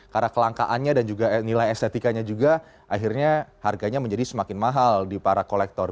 tentu saja nilai estetikanya juga akhirnya harganya menjadi semakin mahal di para kolektor